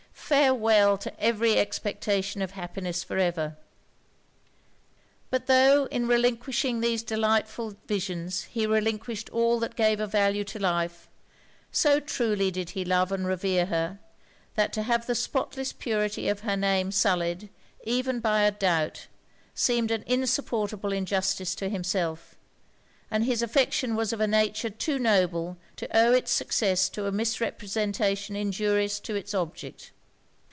Farewel to every expectation of happiness for ever! But tho' in relinquishing these delightful visions he relinquished all that gave a value to life, so truly did he love and revere her, that to have the spotless purity of her name sullied even by a doubt seemed an insupportable injustice to himself; and his affection was of a nature too noble to owe it's success to a misrepresentation injurious to it's object.